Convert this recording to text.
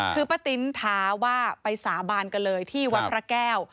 คือป้าติ้นท้าว่าไปสาบานกันเลยที่วัดพระแก้ว